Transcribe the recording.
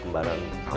ke mana kok kiqab dia